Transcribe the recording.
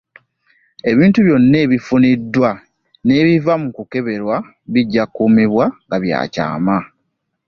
Ebintu byonna ebifuniddwa, n’ebiva mu kukeberebwa, bijja kukuumibwa nga bya kyama.